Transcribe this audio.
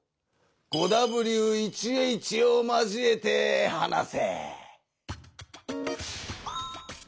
５Ｗ１Ｈを交えて話せ！